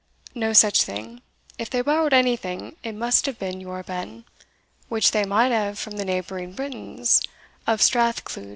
"No such thing; if they borrowed anything, it must have been your Ben, which they might have from the neighbouring Britons of Strath Cluyd."